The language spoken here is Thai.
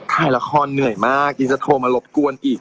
ไทยละครเหนื่อยมากอินซาโทมารบกวนอีก